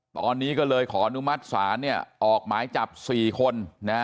ตอนนี้ก็เลยขอนุมัติศาเอาออกออกมายจับ๔คน